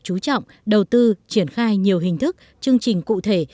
chú trọng đầu tư triển khai nhiều hình thức chương trình cụ thể